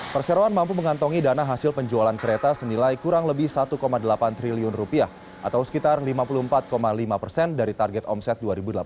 perseroan mampu mengantongi dana hasil penjualan kereta senilai kurang lebih satu delapan triliun rupiah atau sekitar lima puluh empat lima persen dari target omset dua ribu delapan belas